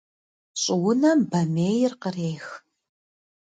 Щӏыунэм бамейр кърех.